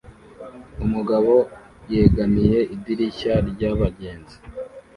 Umugabo yegamiye idirishya ryabagenzi